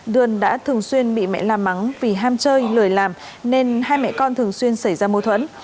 đường đã thường xuyên bị mẹ la mắng vì ham chơi lười làm nên hai mẹ con thường xuyên xảy ra mô thuẫn